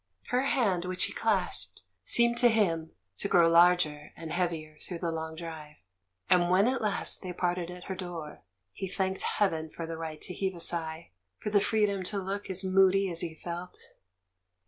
Her hand, which he clasped, seemed to him to grow larger and heavier through the long drive; and when at last they parted at her door, he thanked heaven for the right to heave a sigh, for the freedom to look as moody as he felt.